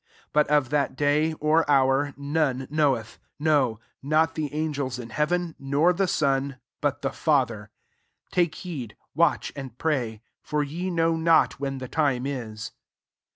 32 But of that day, or hour, none knoweth ; no, not the an gels in heaven, nor the Son ; but the Father. 33 Take heed, watch, and pray ; for ye know not when the time is.